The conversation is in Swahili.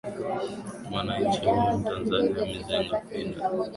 mwananchi huyu mtanzania mizengo pinda